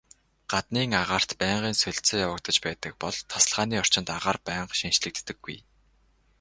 Гаднын агаарт байнгын солилцоо явагдаж байдаг бол тасалгааны орчинд агаар байнга шинэчлэгддэггүй.